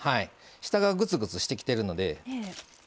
下が、ぐつぐつしてきてるので。